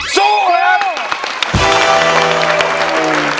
สู้แล้ว